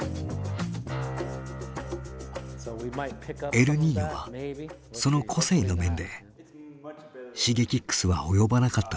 ＥＬＮＩＮＯはその「個性」の面でＳｈｉｇｅｋｉｘは及ばなかったという。